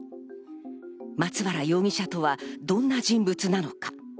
松原容疑者とは、どんな人物なのか。